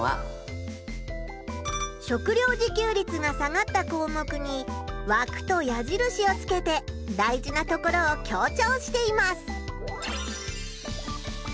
食料自給率が下がったこうもくにわくとやじるしをつけて大事なところを強調しています！